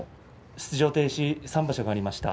出場停止３場所がありました。